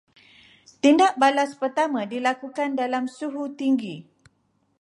Tindak balas pertama dilakukan dalam suhu tinggi